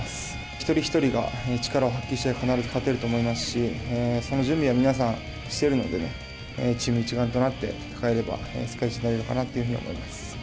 一人一人が力を発揮したら、必ず勝てると思いますし、その準備は皆さんしているので、チーム一丸となって戦えれば、世界一になれるかなと思います。